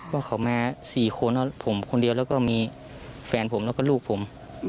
ว่าเขามา๔คนผมคนเดียวแล้วก็มีแฟนผมแล้วก็ลูกผม